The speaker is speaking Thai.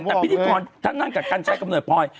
แต่พิธีกรทั้งนั้นกับการใช้กำหนดพลอย